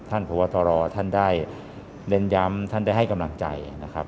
พบตรท่านได้เน้นย้ำท่านได้ให้กำลังใจนะครับ